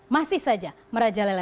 masih saja merajalela